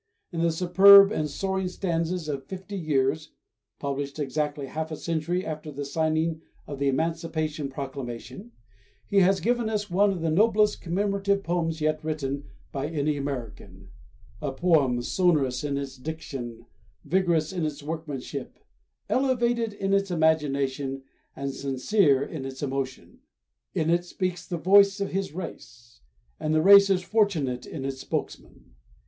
In the superb and soaring stanzas of "Fifty Years" (published exactly half a century after the signing of the Emancipation Proclamation) he has given us one of the noblest commemorative poems yet written by any American, a poem sonorous in its diction, vigorous in its workmanship, elevated in its imagination and sincere in its emotion. In it speaks the voice of his race; and the race is fortunate in its spokesman.